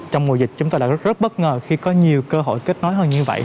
trong mùa dịch chúng ta đã rất bất ngờ khi có nhiều cơ hội kết nối hơn như vậy